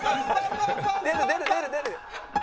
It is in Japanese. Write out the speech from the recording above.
出る出る出る出る。